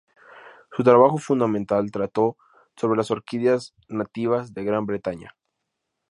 Su trabajo fundamental trató sobre las orquídeas nativas de Gran Bretaña.